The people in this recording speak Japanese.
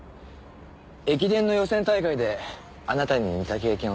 駅伝の予選大会であなたに似た経験をされた。